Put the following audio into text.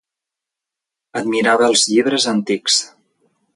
Admirava els llibres antics.